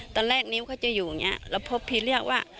ตอนแรกนิ้วเขาจะอยู่อย่างนี้แล้วพบพีเรียกว่า